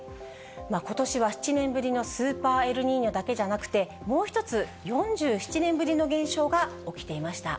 ことしは７年ぶりのスーパーエルニーニョだけじゃなくて、もう１つ、４７年ぶりの現象が起きていました。